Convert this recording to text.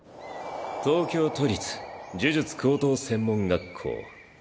東京都立呪術高等専門学校。